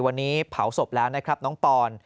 วันนี้เผาศพแล้วนะครับน้องปอน